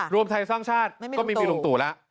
รวมไทยสร้างชาติก็ไม่มีลุงตู่แล้ว